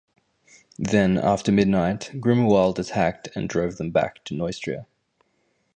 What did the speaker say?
Then, after midnight, Grimuald attacked and drove them back to Neustria.